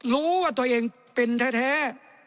รู้ว่าตัวเองเป็นแท้